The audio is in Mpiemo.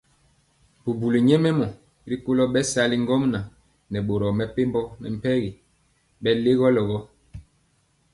Bubuli nyɛmemɔ rikolo bɛsali ŋgomnaŋ nɛ boro mepempɔ mɛmpegi bɛlegolɔ.